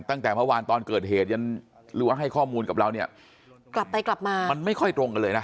ตั้งแต่เมื่อวานตอนเกิดเหตุยันหรือว่าให้ข้อมูลกับเราเนี่ยกลับไปกลับมามันไม่ค่อยตรงกันเลยนะ